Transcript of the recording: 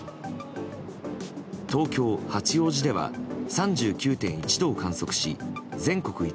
東京・八王子では３９．１度を観測し全国一